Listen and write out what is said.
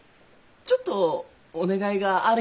ちょっとお願いがあるんやけど。